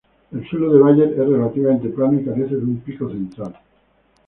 El suelo de Bayer es relativamente plano y carece de un pico central.